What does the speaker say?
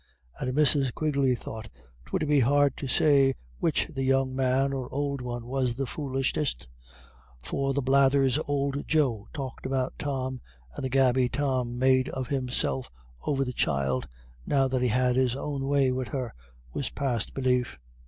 And Mrs. Quigley thought "'twould be hard to say which the young man or ould one was the foolishest; for the blathers ould Joe talked about Tom, and the gaby Tom made of himself over the child, now that he had his own way wid her, was past belief."